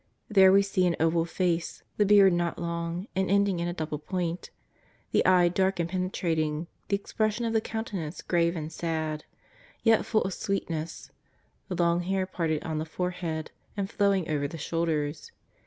There we see an oval face, the beard not long and ending in a double point, the eye dark and penetrating, the ex pression of the countenance grave and sad, yet full of sweetness, the long hair parted on the forehead and flowing over the shoulders.